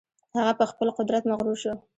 هغه په خپل قدرت مغرور شو.